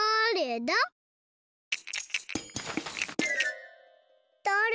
だれ？